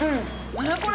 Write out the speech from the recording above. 何これ。